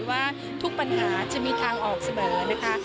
ว่าทุกปัญหาจะมีทางออกเสมอนะคะ